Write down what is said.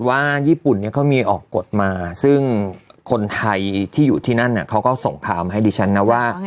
ว่าญี่ปุ่นเนี่ยเขามีออกกฎมาซึ่งคนไทยที่อยู่ที่นั่นเขาก็ส่งข่าวมาให้ดิฉันนะว่า